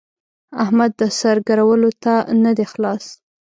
احمد د سر ګرولو ته نه دی خلاص.